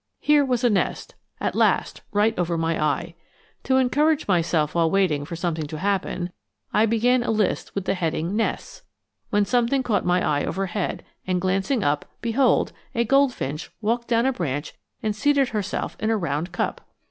Here was a nest, at last, right over my eye. To encourage myself while waiting for something to happen, I began a list with the heading NESTS, when something caught my eye overhead, and glancing up, behold, a goldfinch walked down a branch and seated herself in a round cup!